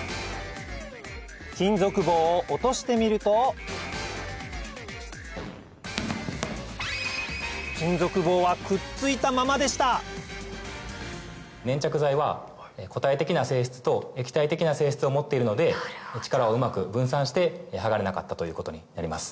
金属棒を落としてみると金属棒はくっついたままでした粘着剤は固体的な性質と液体的な性質を持っているので力をうまく分散して剥がれなかったということになります。